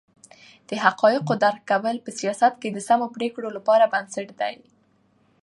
د حقایقو درک کول په سیاست کې د سمو پرېکړو لپاره بنسټ دی.